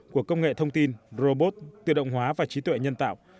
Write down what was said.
của công nghệ thông tin robot tự động hóa và trí tuệ nhân tạo